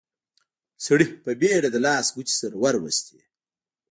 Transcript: سړي په بيړه د لاس ګوتې سره وروستې.